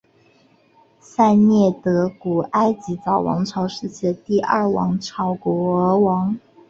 塞涅德古埃及早王朝时期第二王朝国王。